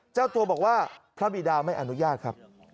เจ้าตัวบอกว่าพระบิดาไม่อนุญาตครับ